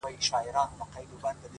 ناځواني;